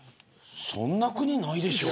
そんな国ないでしょ。